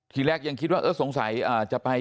ทีแรกยังคิดว่าเออสงสัยจะไป